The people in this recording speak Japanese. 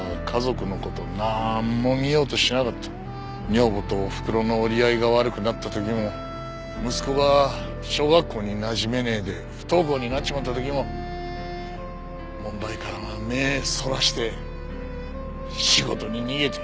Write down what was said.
女房とおふくろの折り合いが悪くなった時も息子が小学校になじめねえで不登校になっちまった時も問題から目ぇそらして仕事に逃げて。